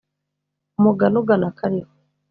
Umugani ugana akariho.